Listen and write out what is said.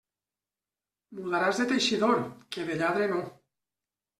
Mudaràs de teixidor, que de lladre no.